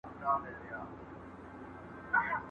¬ موږ چي غله سوو، بيا سپوږمۍ راوخته.